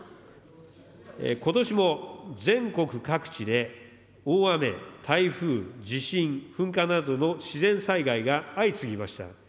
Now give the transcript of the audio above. ことしも全国各地で、大雨、台風、地震、噴火などの自然災害が相次ぎました。